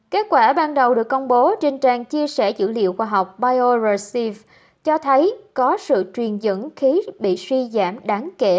kết quả ban đầu được công bố trên trang chia sẻ dữ liệu khoa học biorec cho thấy có sự truyền dẫn khí bị suy giảm đáng kể